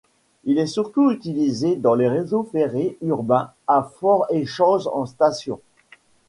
Il est surtout utilisé dans les réseaux ferrés urbains à forts échanges en station.